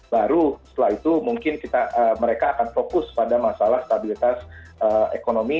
baru setelah itu mungkin mereka akan fokus pada masalah stabilitas ekonomi